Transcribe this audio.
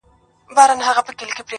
فکر اوچت غواړمه قد خم راکه,